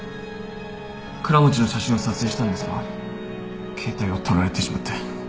倉持の写真を撮影したんですが携帯を取られてしまって。